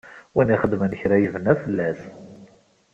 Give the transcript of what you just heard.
Win ixedmen kra yebna fell-as.